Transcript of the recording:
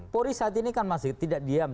polri saat ini kan masih tidak diam